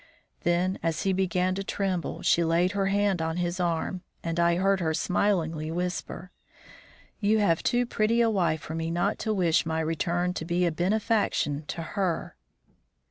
Then, as he began to tremble, she laid her hand on his arm, and I heard her smilingly whisper: "You have too pretty a wife for me not to wish my return to be a benefaction to her."